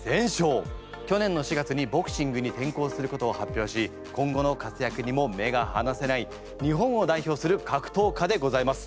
去年の４月にボクシングに転向することを発表し今後の活躍にも目がはなせない日本を代表する格闘家でございます。